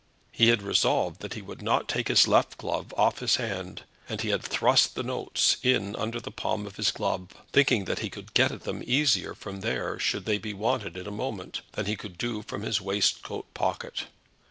He had resolved that he would not take his left glove off his hand, and he had thrust the notes in under the palm of his glove, thinking he could get at them easier from there, should they be wanted in a moment, than he could do from his waistcoat pocket.